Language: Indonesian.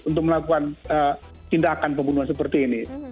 untuk melakukan tindakan pembunuhan seperti ini